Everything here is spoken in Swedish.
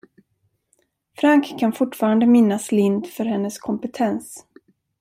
Frank kan fortfarande minnas Lindh för hennes kompetens.